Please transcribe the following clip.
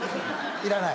いらない？